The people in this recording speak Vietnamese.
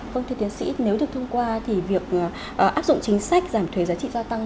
vâng thưa tiến sĩ nếu được thông qua thì việc áp dụng chính sách giảm thuế giá trị gia tăng